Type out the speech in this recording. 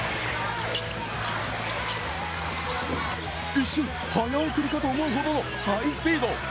一瞬、早送りかと思うほどハイスピード。